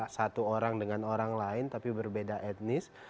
satu orang dengan orang lain tapi berbeda etnis